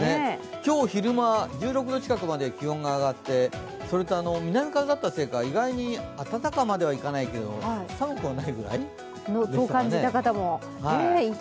今日昼間、１６度近くまで気温が上がって、それと南風だったせいか、意外に、暖かまではいかないけど寒くはないぐらいでしたかね。